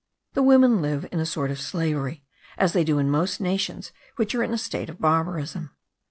The women live in a sort of slavery, as they do in most nations which are in a state of barbarism.